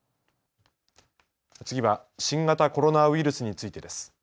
次は新型コロナウイルスについてです。